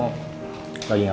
mereka ke sini